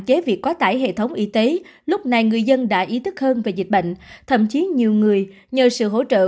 các hệ thống y tế lúc này người dân đã ý thức hơn về dịch bệnh thậm chí nhiều người nhờ sự hỗ trợ